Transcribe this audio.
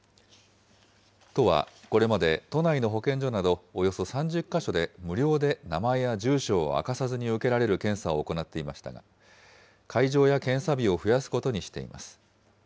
都はこれまで都内の保健所などおよそ３０か所で無料で名前や住所を明かさずに受けられる検査を行っていましたが、会場や検査日を増やすことにしています。